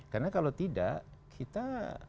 karena kalau tidak kita